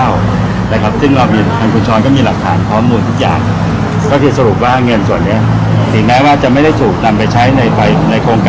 วัดซึ่งคุณชรภ์ก็มีรับฐานพร้อมทุกอย่าง